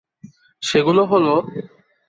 সেগুলো হলো;